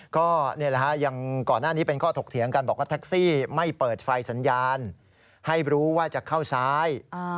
ก็นี่แหละฮะยังก่อนหน้านี้เป็นข้อถกเถียงกันบอกว่าแท็กซี่ไม่เปิดไฟสัญญาณให้รู้ว่าจะเข้าซ้าย